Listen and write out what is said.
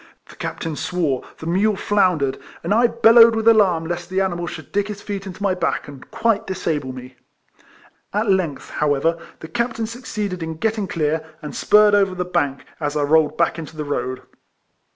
The captain swore, the mule floundered, and I bellowed with alarm lest the animal should dig his feet into my back, and quite disable me. At length, however, the captain suc ceeded in getting clear, and spurred over the bank, as I rolled back into the road.